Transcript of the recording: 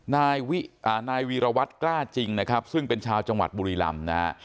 นายวีรวัตรกล้าจริงนะครับซึ่งเป็นชาวจังหวัดบุรีลำนะฮะ